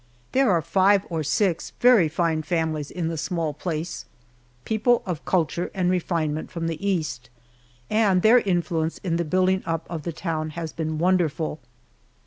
There are five or six very fine families in the small place people of culture and refinement from the East and their influence in the building up of the town has been wonderful.